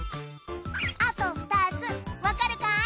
あと２つわかるかい？